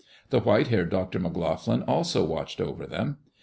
The white haired Dr. McLoughlin also watched over them.